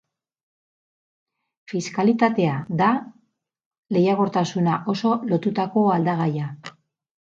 Fiskalitatea da lehiakortasuna oso lotutako aldagaia.